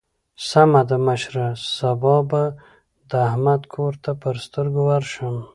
سمه ده مشره؛ سبا به د احمد کور ته پر سترګو ورشم.